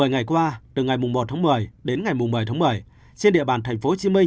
một mươi ngày qua từ ngày một tháng một mươi đến ngày một mươi tháng một mươi trên địa bàn tp hcm